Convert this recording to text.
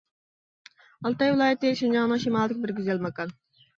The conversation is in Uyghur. ئالتاي ۋىلايىتى شىنجاڭنىڭ شىمالىدىكى بىر گۈزەل ماكان.